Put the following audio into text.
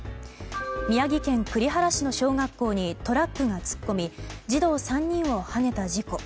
宮城県栗原市の小学校にトラックが突っ込み児童３人をはねた事故。